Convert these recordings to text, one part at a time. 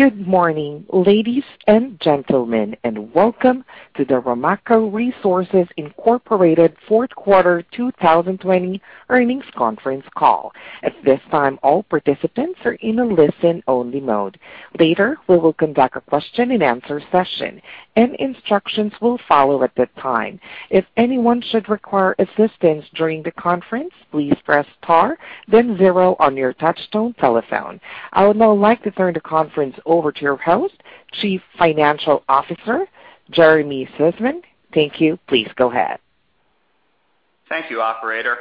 Good morning, ladies and gentlemen, and welcome to the Ramaco Resources Incorporated fourth quarter 2020 earnings conference call. At this time, all participants are in listen in only mode. Later, we'll conduct a question-and-answer session and instructions will follow at this time. If anyone should require assistance during the conference, please press star, then zero on your touch-tone telephone. I would now like to turn the conference over to your host, Chief Financial Officer, Jeremy Sussman. Thank you. Please go ahead. Thank you, operator.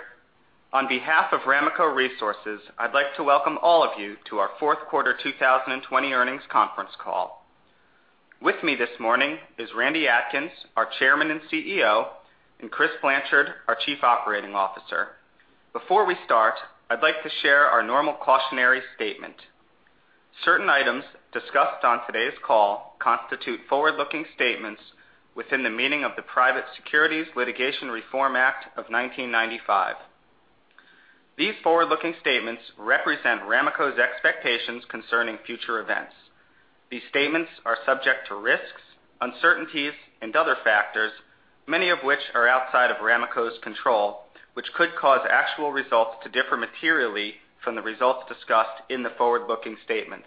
On behalf of Ramaco Resources, I'd like to welcome all of you to our fourth quarter 2020 earnings conference call. With me this morning is Randy Atkins, our Chairman and CEO, and Chris Blanchard, our Chief Operating Officer. Before we start, I'd like to share our normal cautionary statement. Certain items discussed on today's call constitute forward-looking statements within the meaning of the Private Securities Litigation Reform Act of 1995. These forward-looking statements represent Ramaco's expectations concerning future events. These statements are subject to risks, uncertainties, and other factors, many of which are outside of Ramaco's control, which could cause actual results to differ materially from the results discussed in the forward-looking statements.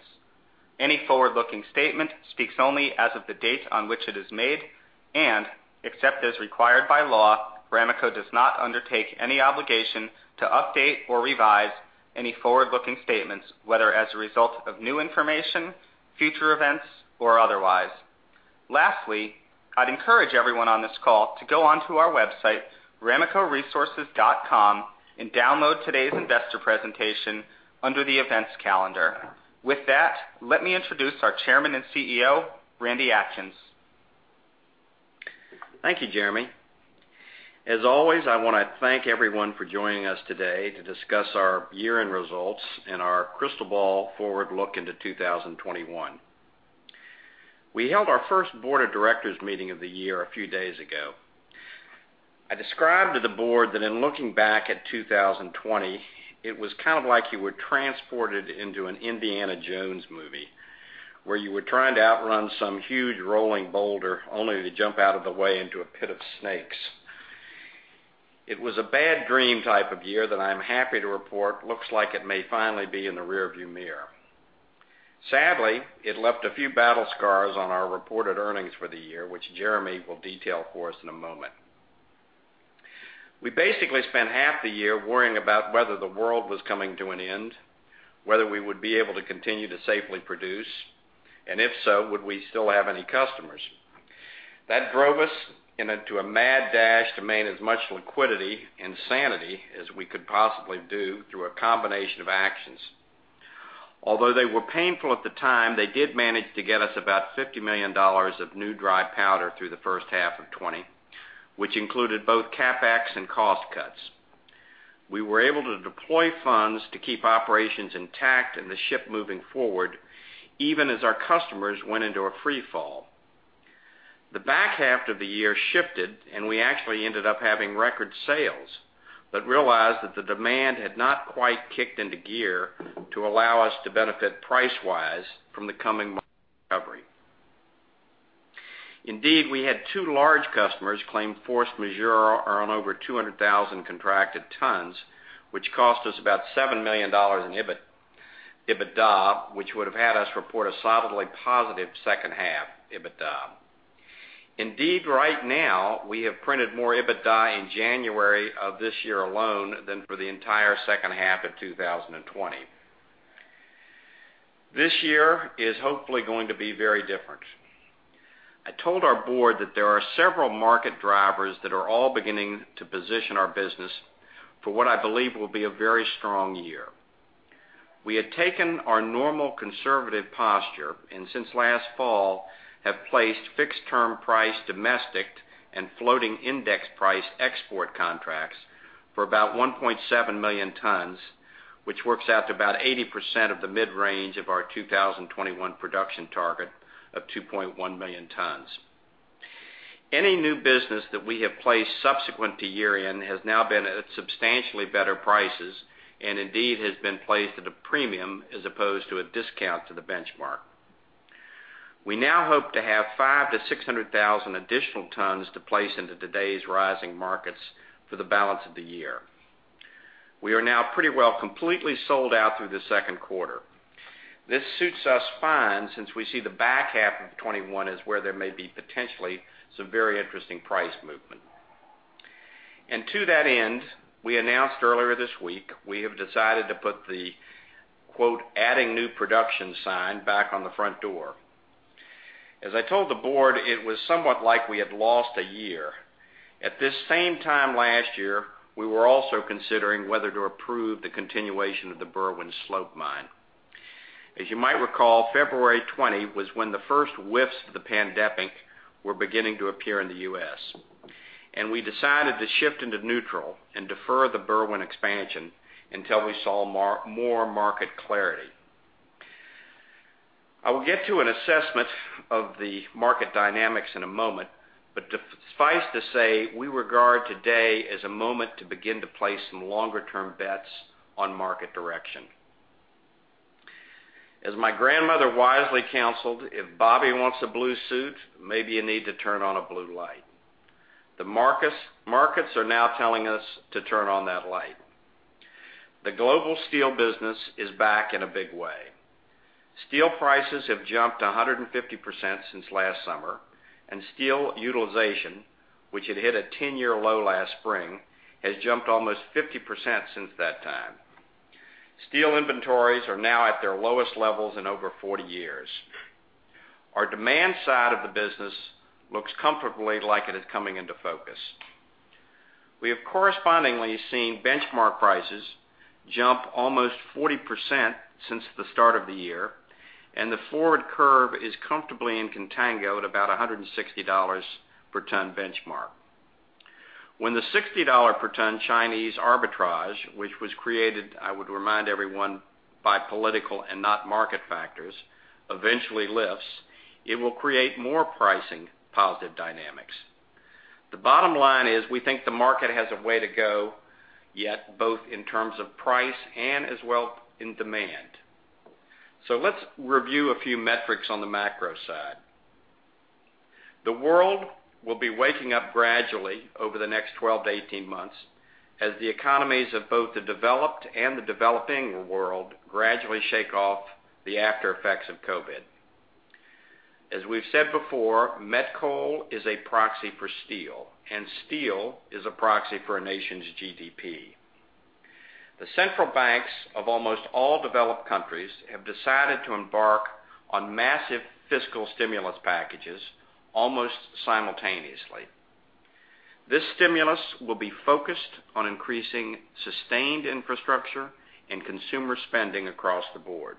Any forward-looking statement speaks only as of the date on which it is made, and except as required by law, Ramaco does not undertake any obligation to update or revise any forward-looking statements, whether as a result of new information, future events, or otherwise. Lastly, I'd encourage everyone on this call to go onto our website, ramacoresources.com, and download today's investor presentation under the events calendar. With that, let me introduce our Chairman and Chief Executive Officer, Randy Atkins. Thank you, Jeremy. As always, I want to thank everyone for joining us today to discuss our year-end results and our crystal ball forward look into 2021. We held our first Board of Directors meeting of the year a few days ago. I described to the board that in looking back at 2020, it was kind of like you were transported into an Indiana Jones movie, where you were trying to outrun some huge rolling boulder, only to jump out of the way into a pit of snakes. It was a bad dream type of year that I'm happy to report looks like it may finally be in the rearview mirror. Sadly, it left a few battle scars on our reported earnings for the year, which Jeremy will detail for us in a moment. We basically spent half the year worrying about whether the world was coming to an end, whether we would be able to continue to safely produce, and if so, would we still have any customers. That drove us into a mad dash to maintain as much liquidity and sanity as we could possibly do through a combination of actions. Although they were painful at the time, they did manage to get us about $50 million of new dry powder through the first half of 2020, which included both CapEx and cost cuts. We were able to deploy funds to keep operations intact and the ship moving forward, even as our customers went into a free fall. The back half of the year shifted, and we actually ended up having record sales, but realized that the demand had not quite kicked into gear to allow us to benefit price-wise from the coming recovery. We had two large customers claim force majeure on over 200,000 contracted tons, which cost us about $7 million in EBITDA, which would have had us report a solidly positive second half EBITDA. Right now, we have printed more EBITDA in January of this year alone than for the entire second half of 2020. This year is hopefully going to be very different. I told our board that there are several market drivers that are all beginning to position our business for what I believe will be a very strong year. We had taken our normal conservative posture, and since last fall, have placed fixed-term price domestic and floating index price export contracts for about 1.7 million tons, which works out to about 80% of the mid-range of our 2021 production target of 2.1 million tons. Any new business that we have placed subsequent to year-end has now been at substantially better prices and indeed has been placed at a premium as opposed to a discount to the benchmark. We now hope to have five to 600,000 additional tons to place into today's rising markets for the balance of the year. We are now pretty well completely sold out through the second quarter. This suits us fine since we see the back half of 2021 as where there may be potentially some very interesting price movement. To that end, we announced earlier this week, we have decided to put the, quote, adding new production" sign back on the front door. As I told the board, it was somewhat like we had lost one year. At this same time last year, we were also considering whether to approve the continuation of the Berwind Slope Mine. As you might recall, February 2020 was when the first whiffs of the pandemic were beginning to appear in the U.S., and we decided to shift into neutral and defer the Berwind expansion until we saw more market clarity. I will get to an assessment of the market dynamics in a moment. Suffice to say, we regard today as a moment to begin to place some longer-term bets on market direction. As my grandmother wisely counseled, If Bobby wants a blue suit, maybe you need to turn on a blue light. The markets are now telling us to turn on that light. The global steel business is back in a big way. Steel prices have jumped 150% since last summer, and steel utilization, which had hit a 10-year low last spring, has jumped almost 50% since that time. Steel inventories are now at their lowest levels in over 40 years. Our demand side of the business looks comfortably like it is coming into focus. We have correspondingly seen benchmark prices jump almost 40% since the start of the year, and the forward curve is comfortably in contango at about $160 per ton benchmark. When the $60 per ton Chinese arbitrage, which was created, I would remind everyone, by political and not market factors, eventually lifts, it will create more pricing positive dynamics. The bottom line is, we think the market has a way to go, yet both in terms of price and as well in demand. Let's review a few metrics on the macro side. The world will be waking up gradually over the next 12-18 months as the economies of both the developed and the developing world gradually shake off the aftereffects of COVID. As we've said before, met coal is a proxy for steel, and steel is a proxy for a nation's GDP. The central banks of almost all developed countries have decided to embark on massive fiscal stimulus packages almost simultaneously. This stimulus will be focused on increasing sustained infrastructure and consumer spending across the board.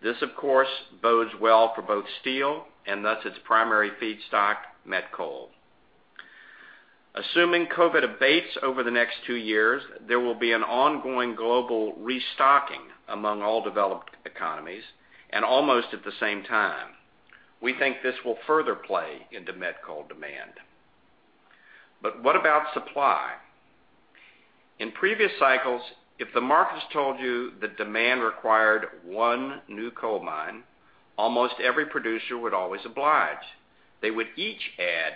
This, of course, bodes well for both steel and thus its primary feedstock, met coal. Assuming COVID abates over the next two years, there will be an ongoing global restocking among all developed economies, and almost at the same time. We think this will further play into met coal demand. What about supply? In previous cycles, if the markets told you that demand required one new coal mine, almost every producer would always oblige. They would each add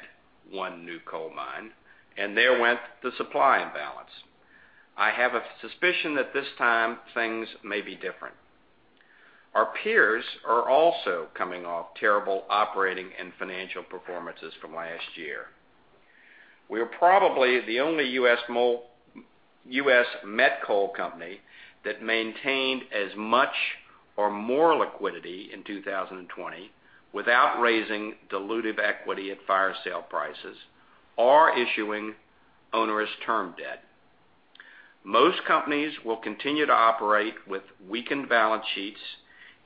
one new coal mine, and there went the supply imbalance. I have a suspicion that this time things may be different. Our peers are also coming off terrible operating and financial performances from last year. We are probably the only U.S. met coal company that maintained as much or more liquidity in 2020 without raising dilutive equity at fire-sale prices or issuing onerous term debt. Most companies will continue to operate with weakened balance sheets,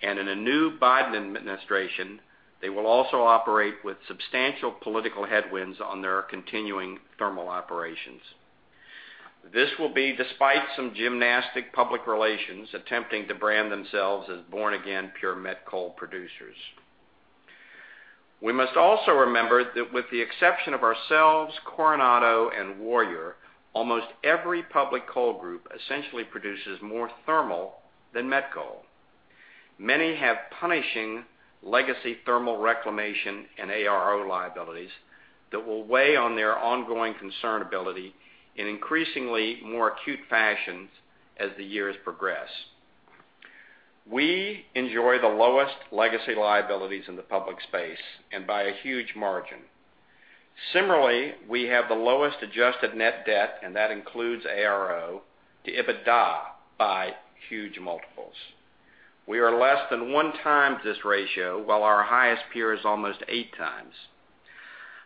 and in a new Biden administration, they will also operate with substantial political headwinds on their continuing thermal operations. This will be despite some gymnastic public relations attempting to brand themselves as born again pure met coal producers. We must also remember that with the exception of ourselves, Coronado, and Warrior, almost every public coal group essentially produces more thermal than met coal. Many have punishing legacy thermal reclamation and ARO liabilities that will weigh on their ongoing concern ability in increasingly more acute fashions as the years progress. We enjoy the lowest legacy liabilities in the public space and by a huge margin. Similarly, we have the lowest adjusted net debt, and that includes ARO to EBITDA by huge multiples. We are less than 1x this ratio, while our highest peer is almost 8x.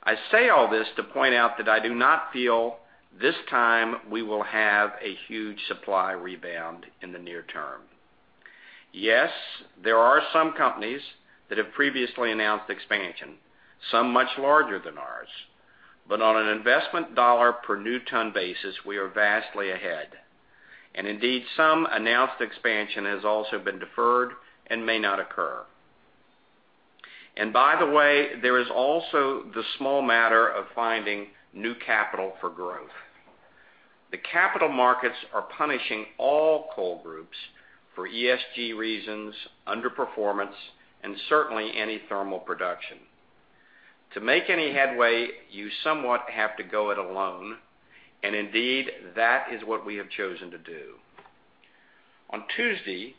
I say all this to point out that I do not feel this time we will have a huge supply rebound in the near-term. Yes, there are some companies that have previously announced expansion, some much larger than ours. On an investment $ per new ton basis, we are vastly ahead. Indeed, some announced expansion has also been deferred and may not occur. By the way, there is also the small matter of finding new capital for growth. The capital markets are punishing all coal groups for ESG reasons, underperformance, and certainly any thermal production. To make any headway, you somewhat have to go it alone, and indeed, that is what we have chosen to do. On Tuesday,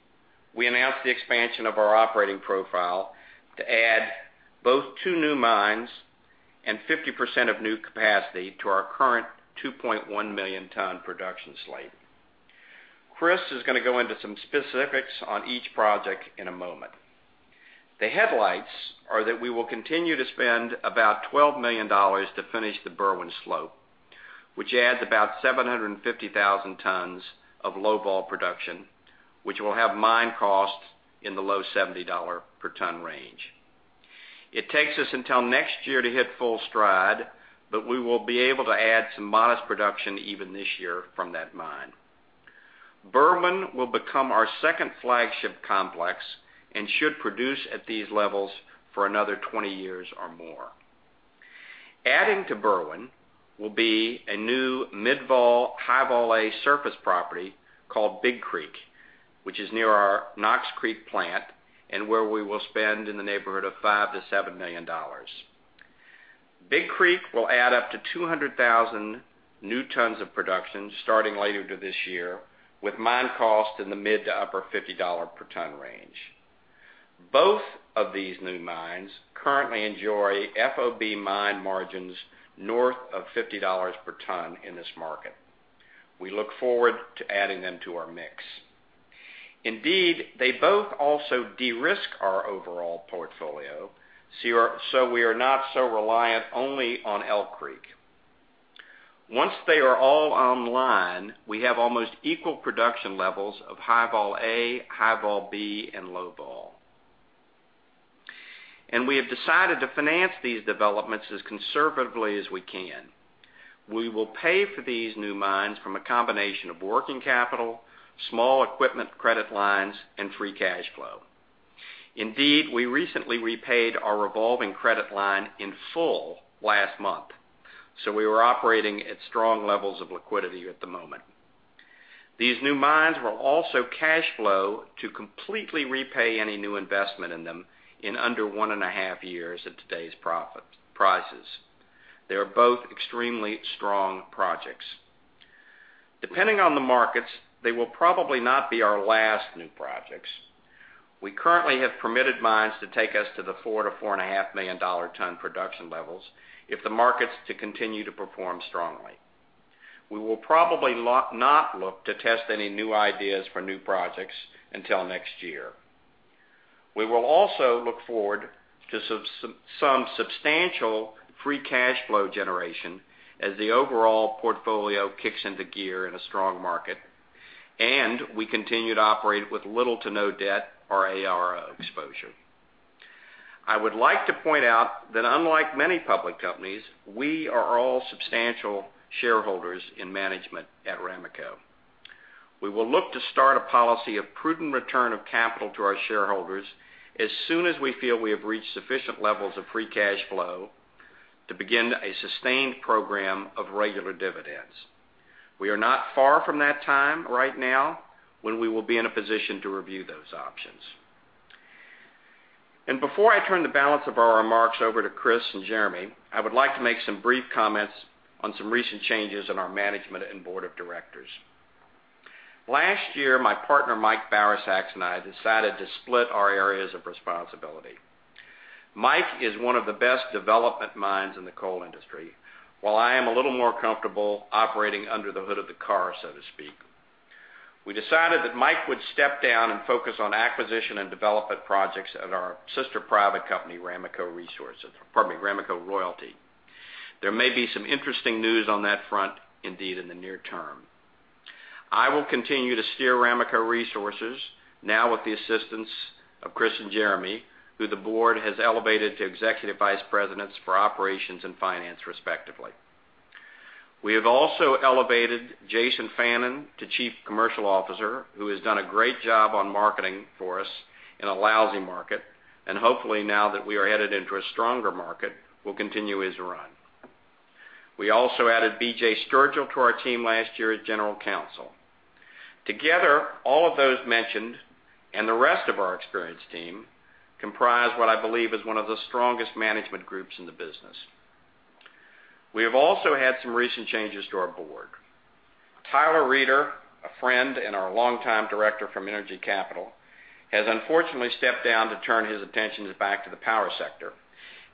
we announced the expansion of our operating profile to add both two new mines and 50% of new capacity to our current 2.1 million ton production slate. Chris is going to go into some specifics on each project in a moment. The headlights are that we will continue to spend about $12 million to finish the Berwind Slope, which adds about 750,000 tons of low vol production, which will have mine costs in the low $70 per ton range. It takes us until next year to hit full stride, but we will be able to add some modest production even this year from that mine. Berwind will become our second flagship complex and should produce at these levels for another 20 years or more. Adding to Berwind will be a new mid-vol, high vol A surface property called Big Creek, which is near our Knox Creek plant, and where we will spend in the neighborhood of $5 million-$7 million. Big Creek will add up to 200,000 new tons of production starting later this year, with mine cost in the mid to upper $50 per ton range. Both of these new mines currently enjoy FOB mine margins north of $50 per ton in this market. We look forward to adding them to our mix. Indeed, they both also de-risk our overall portfolio so we are not so reliant only on Elk Creek. Once they are all online, we have almost equal production levels of high vol A, high vol B, and low vol. We have decided to finance these developments as conservatively as we can. We will pay for these new mines from a combination of working capital, small equipment credit lines, and free cash flow. Indeed, we recently repaid our revolving credit line in full last month. We are operating at strong levels of liquidity at the moment. These new mines will also cash flow to completely repay any new investment in them in under one and a half years at today's prices. They are both extremely strong projects. Depending on the markets, they will probably not be our last new projects. We currently have permitted mines to take us to the 4 million-4.5 million ton production levels if the markets to continue to perform strongly. We will probably not look to test any new ideas for new projects until next year. We will also look forward to some substantial free cash flow generation as the overall portfolio kicks into gear in a strong market, and we continue to operate with little to no debt or ARO exposure. I would like to point out that unlike many public companies, we are all substantial shareholders in management at Ramaco. We will look to start a policy of prudent return of capital to our shareholders as soon as we feel we have reached sufficient levels of free cash flow to begin a sustained program of regular dividends. We are not far from that time right now when we will be in a position to review those options. Before I turn the balance of our remarks over to Chris and Jeremy, I would like to make some brief comments on some recent changes in our management and Board of Directors. Last year, my partner Mike Bauersachs and I decided to split our areas of responsibility. Mike is one of the best development minds in the coal industry, while I am a little more comfortable operating under the hood of the car, so to speak. We decided that Mike would step down and focus on acquisition and development projects at our sister private company, Ramaco Royalty. There may be some interesting news on that front indeed in the near-term. I will continue to steer Ramaco Resources, now with the assistance of Chris and Jeremy, who the board has elevated to Executive Vice Presidents for operations and finance, respectively. We have also elevated Jason Fannin to Chief Commercial Officer, who has done a great job on marketing for us in a lousy market. Hopefully now that we are headed into a stronger market, will continue his run. We also added BJ Sturgill to our team last year as general counsel. Together, all of those mentioned, and the rest of our experienced team, comprise what I believe is one of the strongest management groups in the business. We have also had some recent changes to our board. Tyler Reeder, a friend and our longtime director from Energy Capital, has unfortunately stepped down to turn his attentions back to the power sector,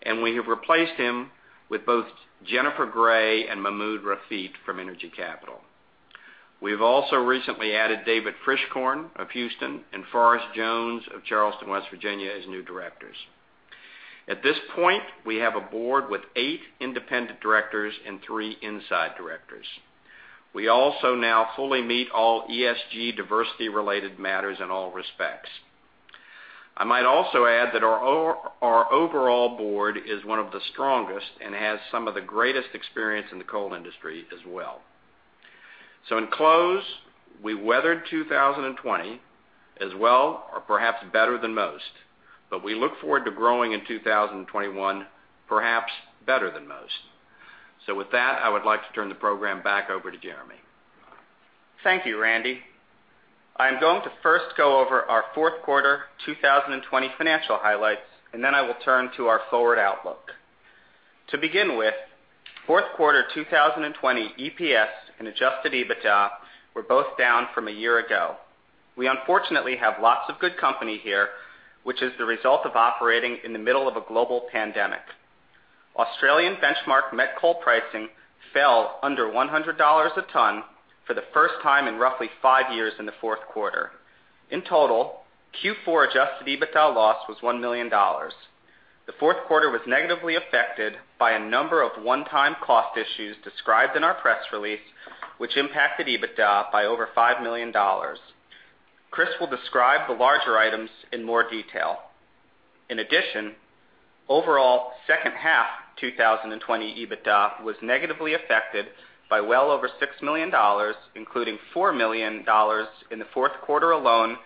and we have replaced him with both Jennifer Gray and Mahmoud Ragab from Energy Capital. We've also recently added David Frischkorn of Houston and Forrest Jones of Charleston, West Virginia, as new directors. At this point, we have a board with eight independent directors and three inside directors. We also now fully meet all ESG diversity-related matters in all respects. I might also add that our overall board is one of the strongest and has some of the greatest experience in the coal industry as well. In close, we weathered 2020 as well or perhaps better than most, but we look forward to growing in 2021 perhaps better than most. With that, I would like to turn the program back over to Jeremy. Thank you, Randy. I am going to first go over our fourth quarter 2020 financial highlights, and then I will turn to our forward outlook. To begin with, fourth quarter 2020 EPS and adjusted EBITDA were both down from a year ago. We unfortunately have lots of good company here, which is the result of operating in the middle of a global pandemic. Australian benchmark met coal pricing fell under $100 a ton for the first time in roughly five years in the fourth quarter. In total, Q4 adjusted EBITDA loss was $1 million. The fourth quarter was negatively affected by a number of one-time cost issues described in our press release, which impacted EBITDA by over $5 million. Chris will describe the larger items in more detail. In addition, overall second half 2020 EBITDA was negatively affected by well over $6 million, including $4 million in the fourth quarter alone,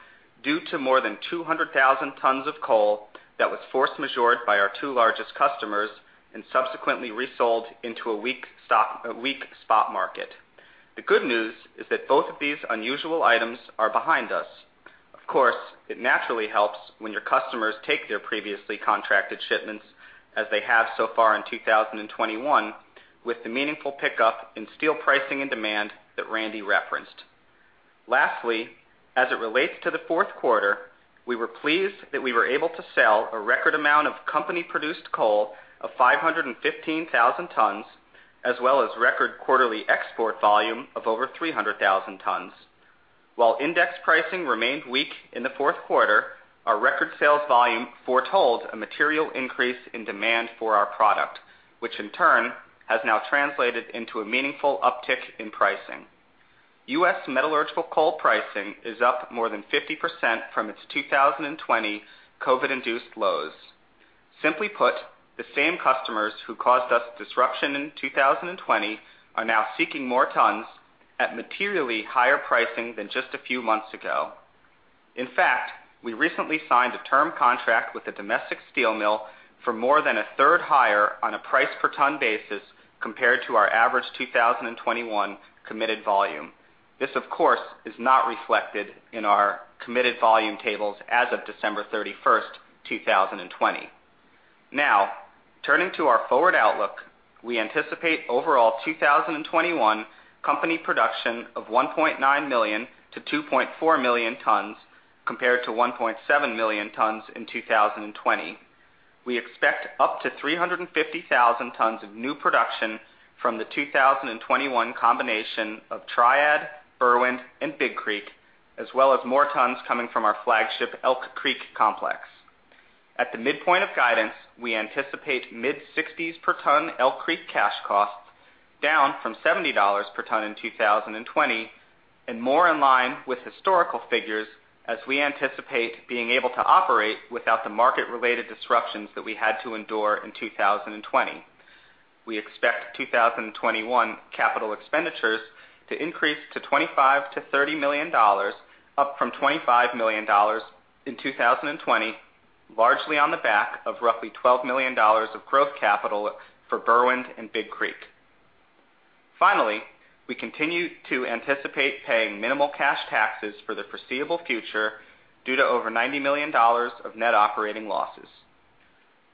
due to more than 200,000 tons of coal that was force majeured by our two largest customers and subsequently resold into a weak spot market. The good news is that both of these unusual items are behind us. Of course, it naturally helps when your customers take their previously contracted shipments, as they have so far in 2021, with the meaningful pickup in steel pricing and demand that Randy referenced. Lastly, as it relates to the fourth quarter, we were pleased that we were able to sell a record amount of company-produced coal of 515,000 tons, as well as record quarterly export volume of over 300,000 tons. While index pricing remained weak in the fourth quarter, our record sales volume foretold a material increase in demand for our product, which in turn has now translated into a meaningful uptick in pricing. U.S. metallurgical coal pricing is up more than 50% from its 2020 COVID-19-induced lows. Simply put, the same customers who caused us disruption in 2020 are now seeking more tons at materially higher pricing than just a few months ago. In fact, we recently signed a term contract with a domestic steel mill for more than a third higher on a price per ton basis compared to our average 2021 committed volume. This, of course, is not reflected in our committed volume tables as of December 31st, 2020. Turning to our forward outlook, we anticipate overall 2021 company production of 1.9 million tons-2.4 million tons, compared to 1.7 million tons in 2020. We expect up to 350,000 tons of new production from the 2021 combination of Triad, Berwind, and Big Creek, as well as more tons coming from our flagship Elk Creek complex. At the midpoint of guidance, we anticipate mid-60s per ton Elk Creek cash costs down from $70 per ton in 2020, and more in line with historical figures as we anticipate being able to operate without the market-related disruptions that we had to endure in 2020. We expect 2021 capital expenditures to increase to $25 million-$30 million, up from $25 million in 2020, largely on the back of roughly $12 million of growth capital for Berwind and Big Creek. Finally, we continue to anticipate paying minimal cash taxes for the foreseeable future due to over $90 million of net operating losses.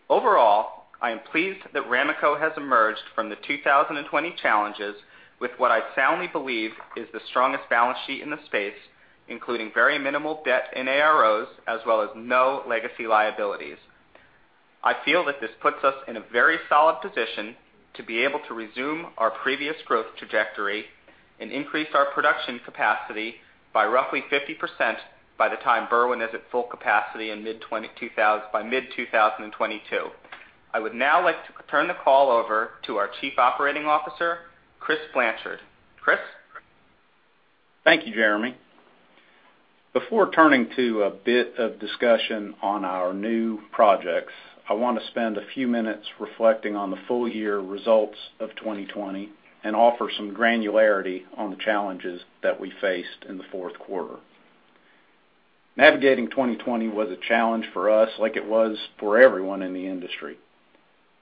Overall, I am pleased that Ramaco has emerged from the 2020 challenges with what I soundly believe is the strongest balance sheet in the space, including very minimal debt and AROs, as well as no legacy liabilities. I feel that this puts us in a very solid position to be able to resume our previous growth trajectory and increase our production capacity by roughly 50% by the time Berwind is at full capacity by mid-2022. I would now like to turn the call over to our Chief Operating Officer, Chris Blanchard. Chris? Thank you, Jeremy. Before turning to a bit of discussion on our new projects, I want to spend a few minutes reflecting on the full-year results of 2020 and offer some granularity on the challenges that we faced in the fourth quarter. Navigating 2020 was a challenge for us like it was for everyone in the industry.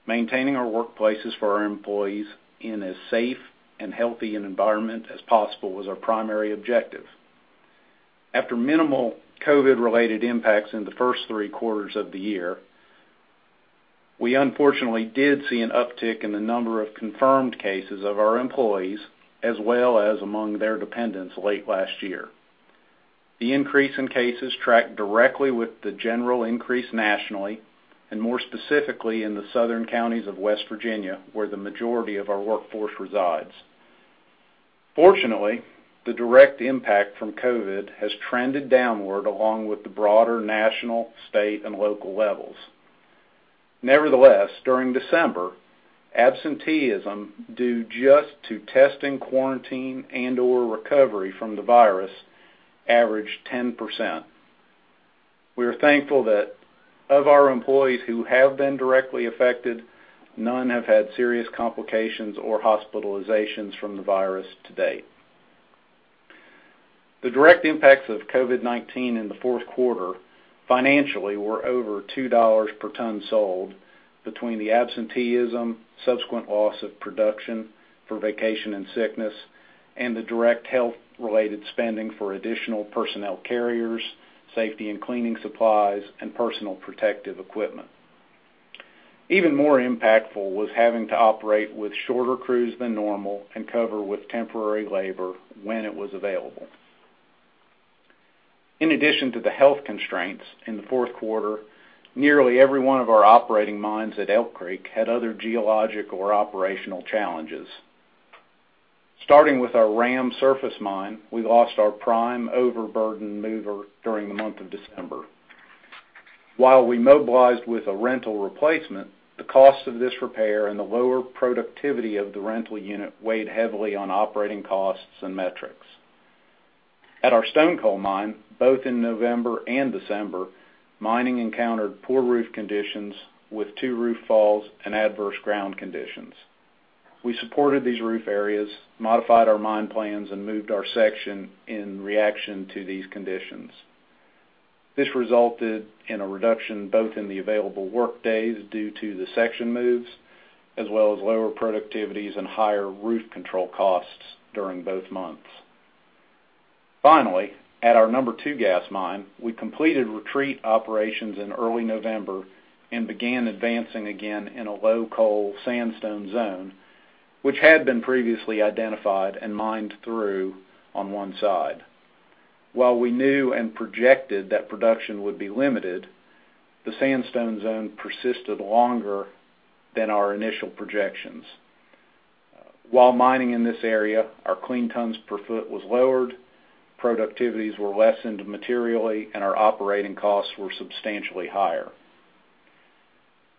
Maintaining our workplaces for our employees in as safe and healthy an environment as possible was our primary objective. After minimal COVID-related impacts in the first three quarters of the year, we unfortunately did see an uptick in the number of confirmed cases of our employees, as well as among their dependents late last year. The increase in cases tracked directly with the general increase nationally and more specifically in the southern counties of West Virginia, where the majority of our workforce resides. Fortunately, the direct impact from COVID has trended downward, along with the broader national, state, and local levels. Nevertheless, during December, absenteeism due just to testing, quarantine, and/or recovery from the virus averaged 10%. We are thankful that of our employees who have been directly affected, none have had serious complications or hospitalizations from the virus to date. The direct impacts of COVID-19 in the fourth quarter financially were over $2 per ton sold between the absenteeism, subsequent loss of production for vacation and sickness, and the direct health-related spending for additional personnel carriers, safety and cleaning supplies, and personal protective equipment. Even more impactful was having to operate with shorter crews than normal and cover with temporary labor when it was available. In addition to the health constraints in the fourth quarter, nearly every one of our operating mines at Elk Creek had other geologic or operational challenges. Starting with our RAM surface mine, we lost our prime overburden mover during the month of December. While we mobilized with a rental replacement, the cost of this repair and the lower productivity of the rental unit weighed heavily on operating costs and metrics. At our Stonecoal mine, both in November and December, mining encountered poor roof conditions with two roof falls and adverse ground conditions. We supported these roof areas, modified our mine plans, and moved our section in reaction to these conditions. This resulted in a reduction both in the available workdays due to the section moves, as well as lower productivities and higher roof control costs during both months. Finally, at our No. 2 Gas mine, we completed retreat operations in early November and began advancing again in a low coal sandstone zone, which had been previously identified and mined through on one side. While we knew and projected that production would be limited, the sandstone zone persisted longer than our initial projections. While mining in this area, our clean tons per foot was lowered, productivities were lessened materially, and our operating costs were substantially higher.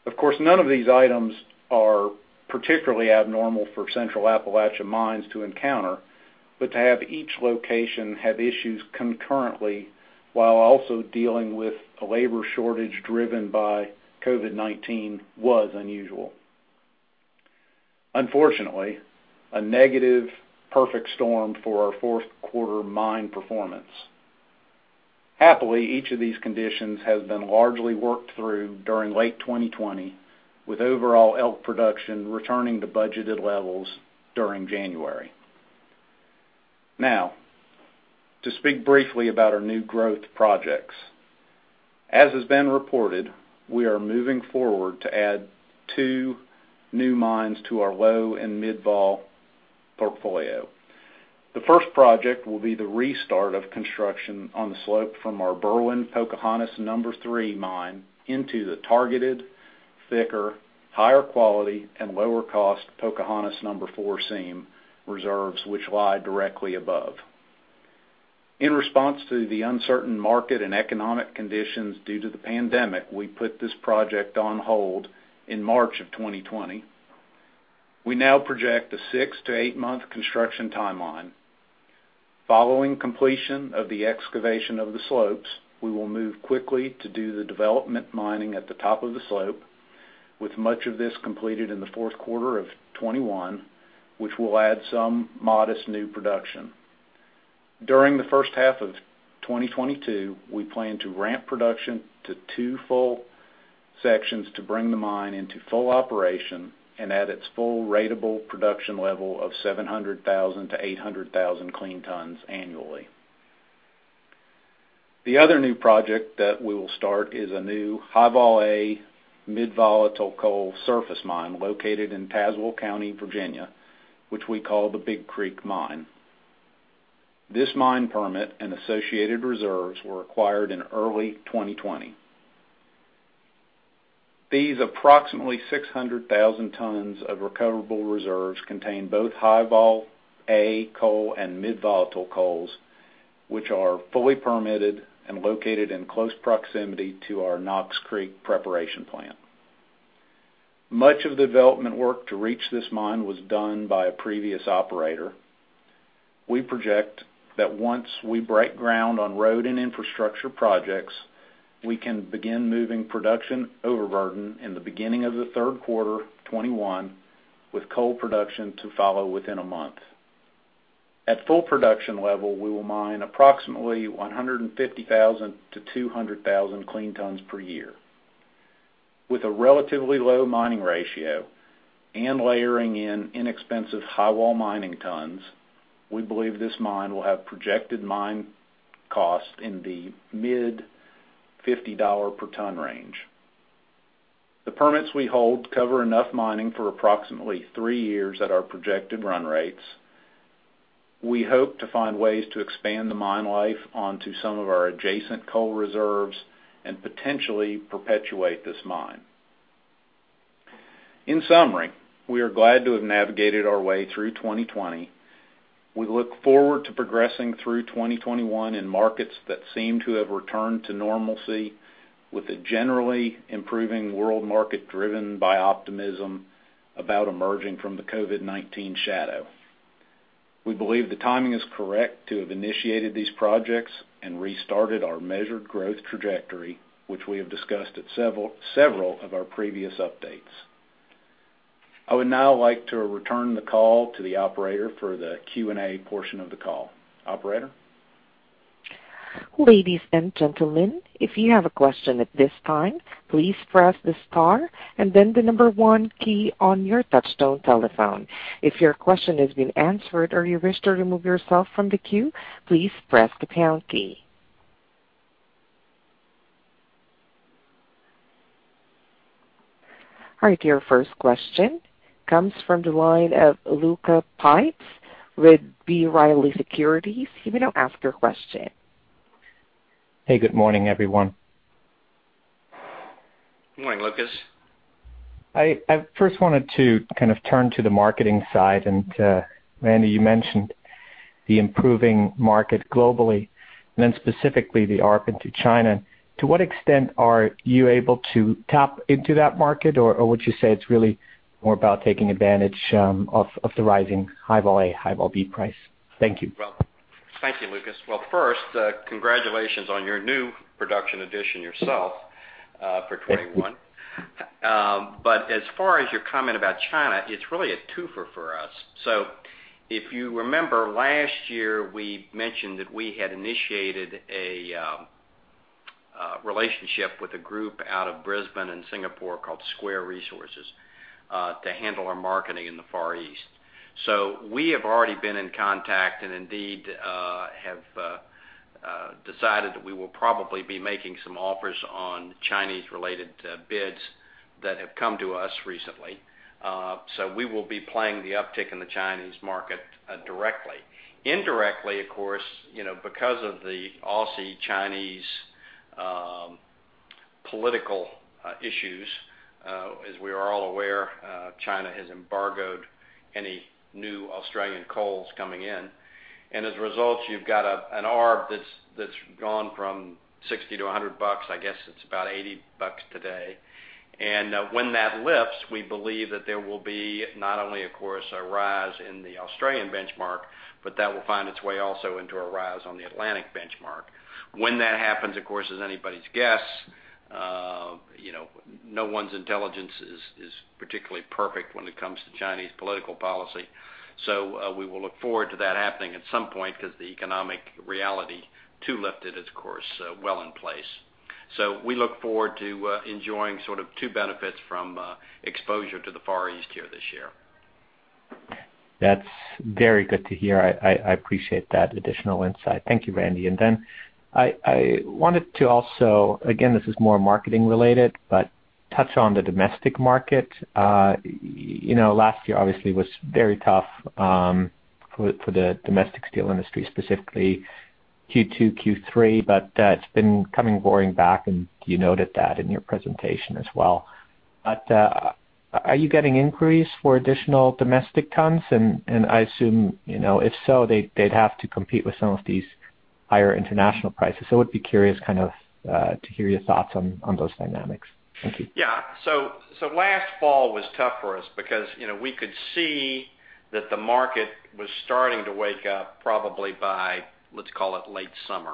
Of course, none of these items are particularly abnormal for Central Appalachian mines to encounter. To have each location have issues concurrently while also dealing with a labor shortage driven by COVID-19 was unusual. Unfortunately, a negative perfect storm for our fourth quarter mine performance. Happily, each of these conditions has been largely worked through during late 2020, with overall met production returning to budgeted levels during January. Now, to speak briefly about our new growth projects. As has been reported, we are moving forward to add two new mines to our low and mid vol portfolio. The first project will be the restart of construction on the slope from our Berwind Pocahontas Number 3 mine into the targeted, thicker, higher quality, and lower cost Pocahontas Number 4 seam reserves, which lie directly above. In response to the uncertain market and economic conditions due to the pandemic, we put this project on hold in March of 2020. We now project a six to eight-month construction timeline. Following completion of the excavation of the slopes, we will move quickly to do the development mining at the top of the slope, with much of this completed in the fourth quarter of 2021, which will add some modest new production. During the first half of 2022, we plan to ramp production to two full sections to bring the mine into full operation and at its full ratable production level of 700,000 to 800,000 clean tons annually. The other new project that we will start is a new high vol A mid volatile coal surface mine located in Tazewell County, Virginia, which we call the Big Creek Mine. This mine permit and associated reserves were acquired in early 2020. These approximately 600,000 tons of recoverable reserves contain both high vol A coal and mid volatile coals, which are fully permitted and located in close proximity to our Knox Creek preparation plant. Much of the development work to reach this mine was done by a previous operator. We project that once we break ground on road and infrastructure projects, we can begin moving production overburden in the beginning of the third quarter 2021, with coal production to follow within one month. At full production level, we will mine approximately 150,000-200,000 clean tons per year. With a relatively low mining ratio and layering in inexpensive highwall mining tons, we believe this mine will have projected mine cost in the mid-$50 per ton range. The permits we hold cover enough mining for approximately three years at our projected run rates. We hope to find ways to expand the mine life onto some of our adjacent coal reserves and potentially perpetuate this mine. In summary, we are glad to have navigated our way through 2020. We look forward to progressing through 2021 in markets that seem to have returned to normalcy with a generally improving world market driven by optimism about emerging from the COVID-19 shadow. We believe the timing is correct to have initiated these projects and restarted our measured growth trajectory, which we have discussed at several of our previous updates. I would now like to return the call to the operator for the Q&A portion of the call. Operator? Ladies and gentlemen, if you have a question at this time, please press the star number one key on your touch-tone telephone. If your question has been answered or you wish to remove yourself from the queue, please press the pound key. Your first question comes from the line of Lucas Pipes with B. Riley Securities. You may now ask your question. Hey, good morning, everyone. Morning, Lucas. I first wanted to kind of turn to the marketing side. Randy, you mentioned the improving market globally, and then specifically the ARB into China. To what extent are you able to tap into that market? Would you say it's really more about taking advantage of the rising high vol A, high vol B price? Thank you. Thank you, Lucas. First, congratulations on your new production addition yourself, for 2021. As far as your comment about China, it's really a twofer for us. If you remember last year, we mentioned that we had initiated a relationship with a group out of Brisbane and Singapore called Square Resources, to handle our marketing in the Far East. We have already been in contact and indeed, have decided that we will probably be making some offers on Chinese-related bids that have come to us recently. We will be playing the uptick in the Chinese market directly. Indirectly, of course, because of the Aussie-Chinese political issues, as we are all aware, China has embargoed any new Australian coals coming in. As a result, you've got an ARB that's gone from $60-$100. I guess it's about $80 today. When that lifts, we believe that there will be not only, of course, a rise in the Australian benchmark, but that will find its way also into a rise on the Atlantic benchmark. When that happens, of course, is anybody's guess. No one's intelligence is particularly perfect when it comes to Chinese political policy. We will look forward to that happening at some point because the economic reality to lift it is, of course, well in place. We look forward to enjoying sort of two benefits from exposure to the Far East here this year. That's very good to hear. I appreciate that additional insight. Thank you, Randy. Then I wanted to also, again, this is more marketing related, but touch on the domestic market. Last year obviously was very tough for the domestic steel industry, specifically Q2, Q3, but it's been coming roaring back, and you noted that in your presentation as well. Are you getting inquiries for additional domestic tons? I assume if so, they'd have to compete with some of these higher international prices. Would be curious kind of to hear your thoughts on those dynamics. Thank you. Last fall was tough for us because we could see that the market was starting to wake up probably by, let's call it late summer.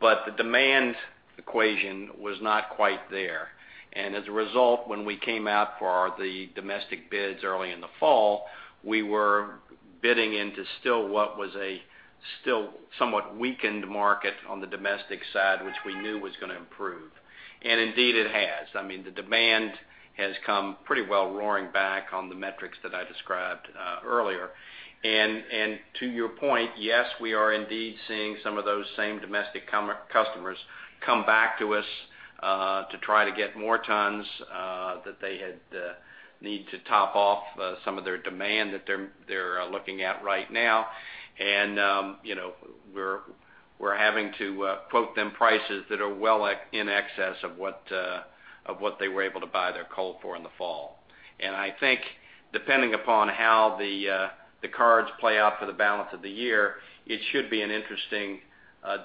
The demand equation was not quite there. As a result, when we came out for the domestic bids early in the fall, we were bidding into still what was a still somewhat weakened market on the domestic side, which we knew was going to improve. Indeed, it has. The demand has come pretty well roaring back on the metrics that I described earlier. To your point, yes, we are indeed seeing some of those same domestic customers come back to us, to try to get more tons that they had need to top off some of their demand that they're looking at right now. We're having to quote them prices that are well in excess of what they were able to buy their coal for in the fall. I think depending upon how the cards play out for the balance of the year, it should be an interesting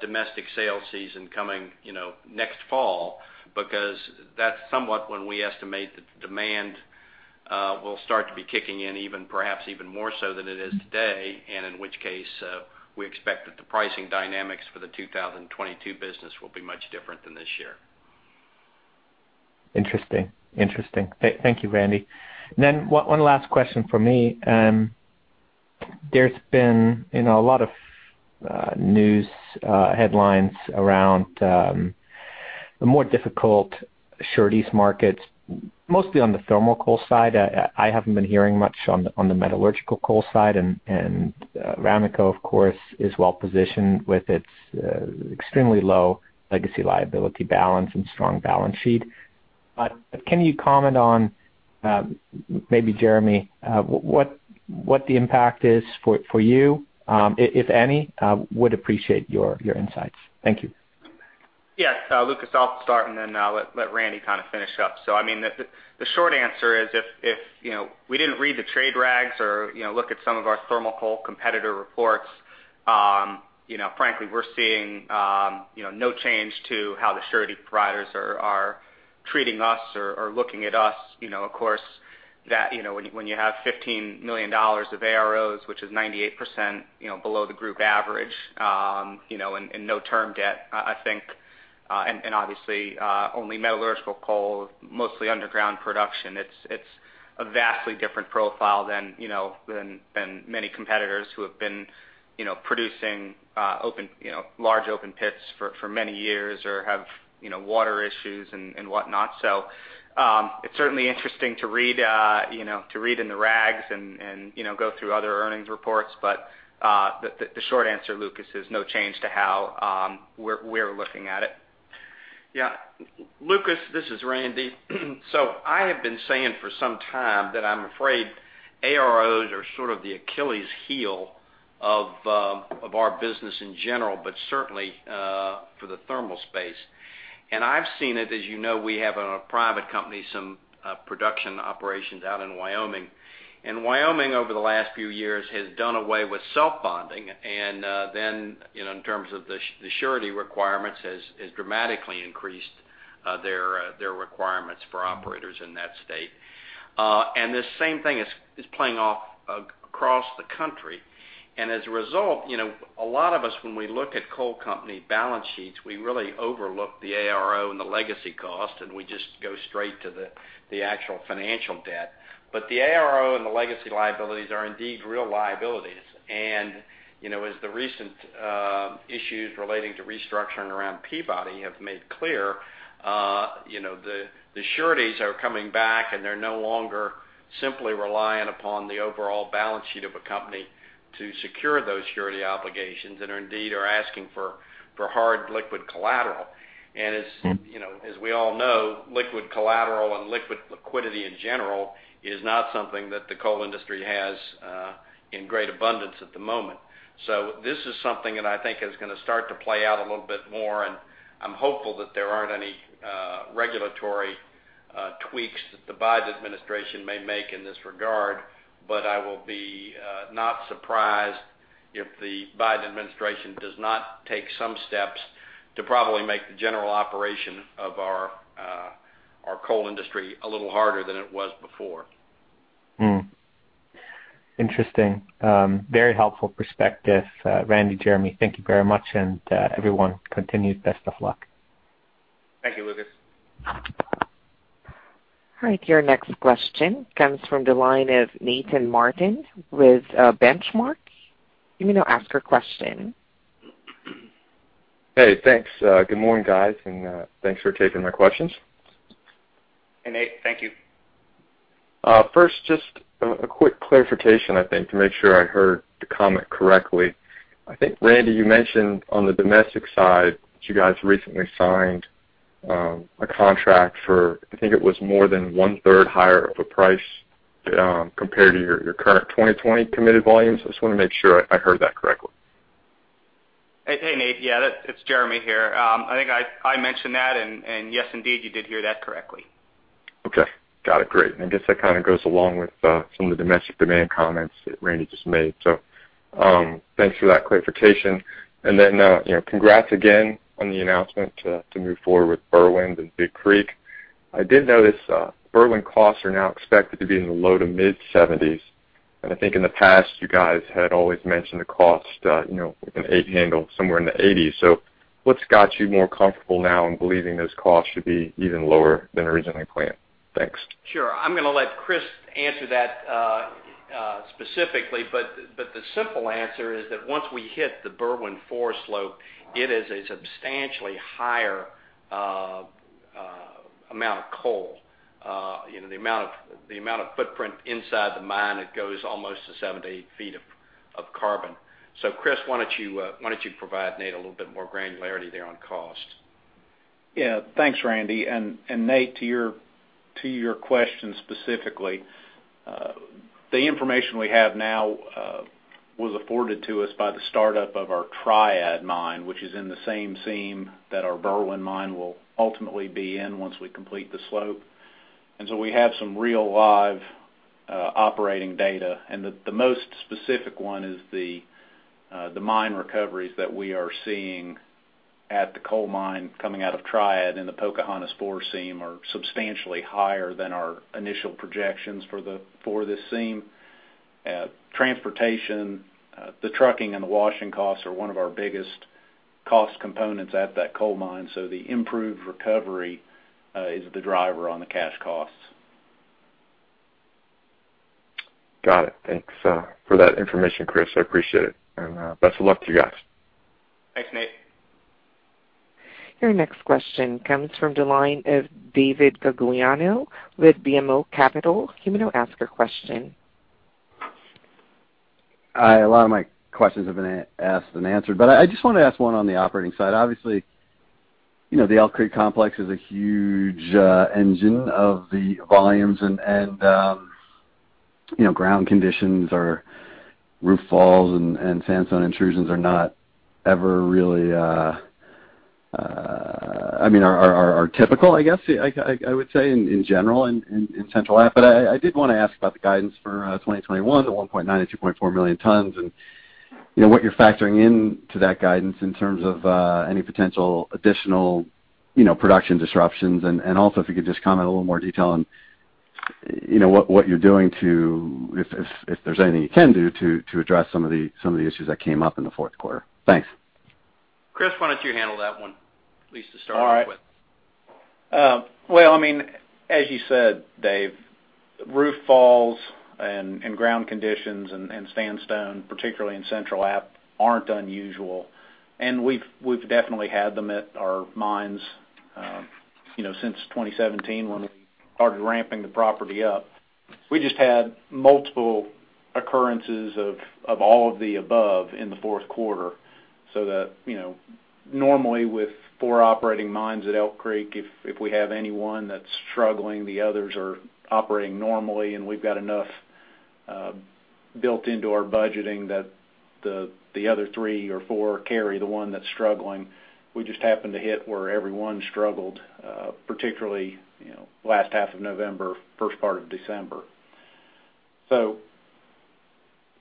domestic sales season coming next fall, because that's somewhat when we estimate the demand will start to be kicking in perhaps even more so than it is today. In which case, we expect that the pricing dynamics for the 2022 business will be much different than this year. Interesting. Thank you, Randy. One last question from me. There's been a lot of news headlines around the more difficult sureties markets, mostly on the thermal coal side. I haven't been hearing much on the metallurgical coal side. Ramaco, of course, is well-positioned with its extremely low legacy liability balance and strong balance sheet. Can you comment on, maybe Jeremy, what the impact is for you, if any? Would appreciate your insights. Thank you. Yes. Lucas, I'll start and then I'll let Randy kind of finish up. The short answer is if we didn't read the trade rags or look at some of our thermal coal competitor reports, frankly, we're seeing no change to how the surety providers are treating us or looking at us. Of course, when you have $15 million of AROs, which is 98% below the group average, and no term debt, I think, and obviously, only metallurgical coal, mostly underground production. It's a vastly different profile than many competitors who have been producing large open pits for many years or have water issues and whatnot. The short answer, Lucas, is no change to how we're looking at it. Yeah. Lucas, this is Randy. I have been saying for some time that I'm afraid AROs are sort of the Achilles heel of our business in general, but certainly for the thermal space. I've seen it, as you know, we have a private company, some production operations out in Wyoming. Wyoming, over the last few years, has done away with self-bonding, and then in terms of the surety requirements, has dramatically increased their requirements for operators in that state. The same thing is playing off across the country. As a result, a lot of us, when we look at coal company balance sheets, we really overlook the ARO and the legacy cost, and we just go straight to the actual financial debt. The ARO and the legacy liabilities are indeed real liabilities. As the recent issues relating to restructuring around Peabody have made clear, the sureties are coming back, and they're no longer simply reliant upon the overall balance sheet of a company to secure those surety obligations and are indeed asking for hard liquid collateral. As we all know, liquid collateral and liquidity in general is not something that the coal industry has in great abundance at the moment. This is something that I think is going to start to play out a little bit more, and I'm hopeful that there aren't any regulatory tweaks that the Biden administration may make in this regard. I will be not surprised if the Biden administration does not take some steps to probably make the general operation of our coal industry a little harder than it was before. Interesting. Very helpful perspective, Randy, Jeremy. Thank you very much. Everyone, continued best of luck. Thank you, Lucas. All right. Your next question comes from the line of Nathan Martin with Benchmark. You may now ask your question. Hey, thanks. Good morning, guys, and thanks for taking my questions. Hey, Nate. Thank you. First, just a quick clarification, I think, to make sure I heard the comment correctly. I think, Randy, you mentioned on the domestic side that you guys recently signed a contract for, I think it was more than one-third higher of a price compared to your current 2020 committed volumes. I just want to make sure I heard that correctly. Hey, Nate. Yeah, it's Jeremy here. I think I mentioned that, and yes, indeed, you did hear that correctly. Okay. Got it, great. I guess that kind of goes along with some of the domestic demand comments that Randy just made. Thanks for that clarification. Congrats again on the announcement to move forward with Berwind and Big Creek. I did notice Berwind costs are now expected to be in the low to mid $70s. I think in the past, you guys had always mentioned the cost with an eight handle somewhere in the $80s. What's got you more comfortable now in believing those costs should be even lower than originally planned? Thanks. Sure. I'm going to let Chris answer that specifically. The simple answer is that once we hit the Berwind 4 slope, it is a substantially higher amount of coal. The amount of footprint inside the mine, it goes almost to 7 ft-8 ft of carbon. Chris, why don't you provide Nate a little bit more granularity there on cost? Thanks, Randy. Nate, to your question specifically, the information we have now was afforded to us by the startup of our Triad mine, which is in the same seam that our Berwind mine will ultimately be in once we complete the slope. We have some real live operating data. The most specific one is the mine recoveries that we are seeing at the coal mine coming out of Triad in the Pocahontas 4 seam are substantially higher than our initial projections for this seam. Transportation, the trucking, and the washing costs are one of our biggest cost components at that coal mine. The improved recovery is the driver on the cash costs. Got it. Thanks for that information, Chris. I appreciate it. Best of luck to you guys. Thanks, Nate. Your next question comes from the line of David Gagliano with BMO Capital. You may now ask your question. A lot of my questions have been asked and answered. I just wanted to ask one on the operating side. Obviously, the Elk Creek complex is a huge engine of the volumes and ground conditions or roof falls and sandstone intrusions are typical, I guess I would say in general in Central App. I did want to ask about the guidance for 2021, the 1.9 million tons and 2.4 million tons, and what you're factoring into that guidance in terms of any potential additional production disruptions. Also, if you could just comment a little more detail on what you're doing to, if there's anything you can do, to address some of the issues that came up in the fourth quarter. Thanks. Chris, why don't you handle that one at least to start with? All right. Well, as you said, Dave, roof falls and ground conditions and sandstone, particularly in Central App, aren't unusual. We've definitely had them at our mines since 2017 when we started ramping the property up. We just had multiple occurrences of all of the above in the fourth quarter, so that normally with four operating mines at Elk Creek, if we have any one that's struggling, the others are operating normally, and we've got enough built into our budgeting that the other three or four carry the one that's struggling. We just happened to hit where everyone struggled, particularly last half of November, first part of December.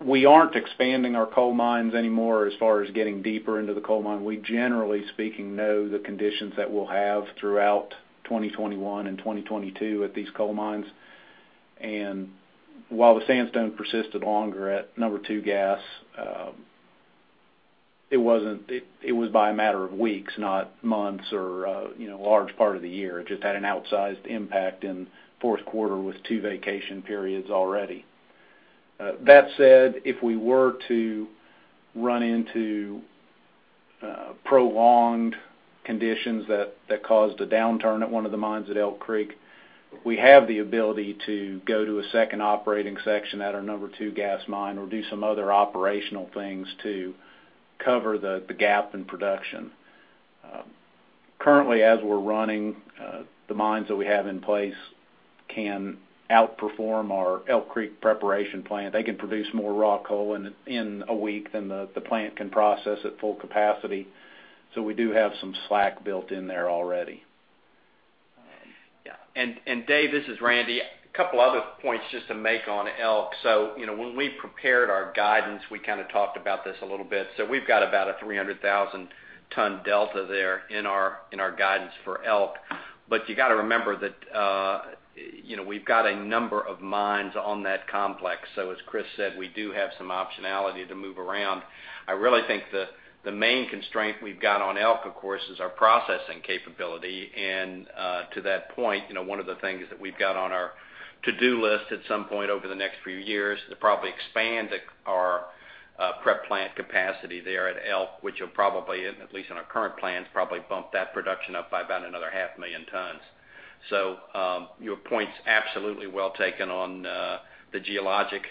We aren't expanding our coal mines anymore, as far as getting deeper into the coal mine. We, generally speaking, know the conditions that we'll have throughout 2021 and 2022 at these coal mines. While the sandstone persisted longer at No. 2 Gas, it was by a matter of weeks, not months or a large part of the year. It just had an outsized impact in fourth quarter with two vacation periods already. That said, if we were to run into prolonged conditions that caused a downturn at one of the mines at Elk Creek, we have the ability to go to a second operating section at our No. 2 Gas mine or do some other operational things to cover the gap in production. Currently, as we're running the mines that we have in place can outperform our Elk Creek preparation plant. They can produce more raw coal in a week than the plant can process at full capacity. We do have some slack built in there already. Yeah. Dave, this is Randy. A couple other points just to make on Elk. When we prepared our guidance, we kind of talked about this a little bit. We've got about a 300,000 ton delta there in our guidance for Elk. You got to remember that we've got a number of mines on that complex. As Chris said, we do have some optionality to move around. I really think the main constraint we've got on Elk, of course, is our processing capability. To that point, one of the things that we've got on our to-do list at some point over the next few years, is to probably expand our prep plant capacity there at Elk, which will probably, at least in our current plans, probably bump that production up by about another half million tons. Your point's absolutely well taken on the geologic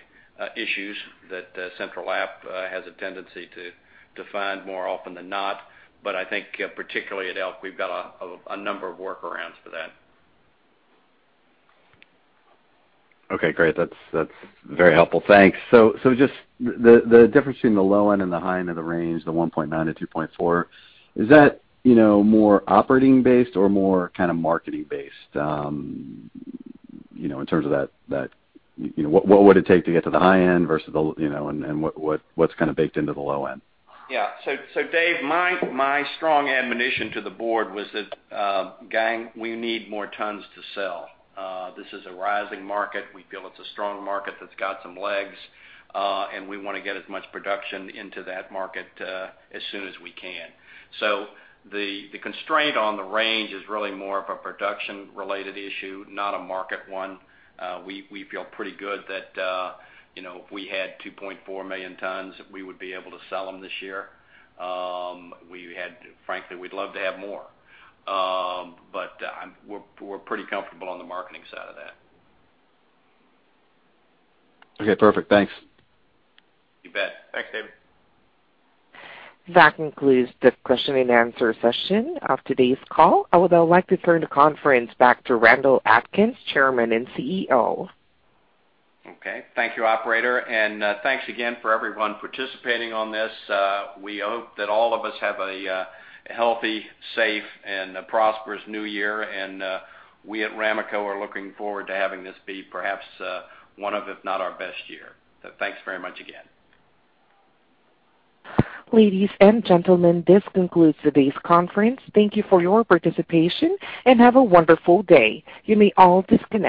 issues that Central App has a tendency to find more often than not. I think particularly at Elk, we've got a number of workarounds for that. Okay, great. That's very helpful. Thanks. Just the difference between the low end and the high end of the range, the 1.9 million tons-2.4 million tons, is that more operating based or more kind of marketing based? In terms of what would it take to get to the high end versus the low, and what's kind of baked into the low end? Yeah. Dave, my strong admonition to the board was that, Gang, we need more tons to sell. This is a rising market. We feel it's a strong market that's got some legs. We want to get as much production into that market as soon as we can. The constraint on the range is really more of a production related issue, not a market one. We feel pretty good that if we had 2.4 million tons, we would be able to sell them this year. Frankly, we'd love to have more. We're pretty comfortable on the marketing side of that. Okay, perfect. Thanks. You bet. Thanks, David. That concludes the question and answer session of today's call. I would now like to turn the conference back to Randall Atkins, Chairman and CEO. Okay. Thank you, operator. Thanks again for everyone participating on this. We hope that all of us have a healthy, safe, and a prosperous new year. We at Ramaco are looking forward to having this be perhaps one of, if not our best year. Thanks very much again. Ladies and gentlemen, this concludes today's conference. Thank you for your participation and have a wonderful day. You may all disconnect.